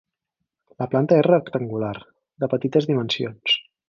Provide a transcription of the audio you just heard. La planta és rectangular, de petites dimensions.